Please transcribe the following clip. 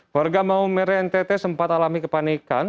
warga maumere ntt sempat alami kepanikan